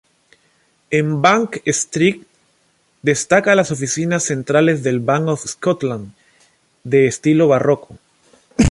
En Bank Street destaca las oficinas centrales del Bank of Scotland, de estilo barroco.